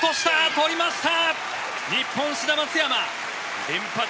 取りました！